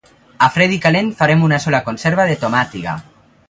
A Fred i Calent farem una sola conserva de tomàtiga.